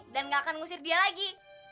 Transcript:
dan gak akan ngusir dia lagi